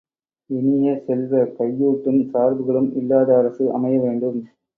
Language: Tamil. இனிய செல்வ, கையூட்டும் சார்புகளும் இல்லாத அரசு அமைய வேண்டும்.